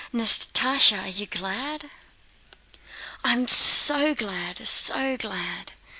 Natásha—are you glad?" "I am so glad, so glad!